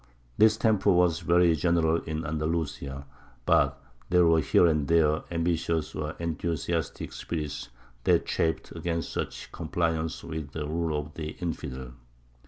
This temper was very general in Andalusia, but there were here and there ambitious or enthusiastic spirits that chafed against such compliance with the rule of the "infidel."